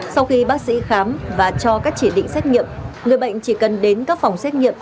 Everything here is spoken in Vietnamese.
sau khi bác sĩ khám và cho các chỉ định xét nghiệm người bệnh chỉ cần đến các phòng xét nghiệm